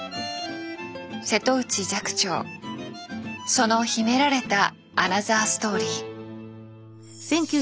その秘められたアナザーストーリー。